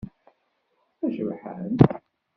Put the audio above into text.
Tacebḥant.